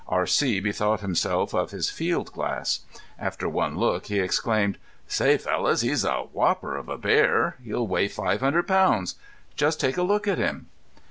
R.C. bethought himself of his field glass. After one look he exclaimed: "Say, fellows, he's a whopper of a bear! He'll weigh five hundred pounds. Just take a look at him!"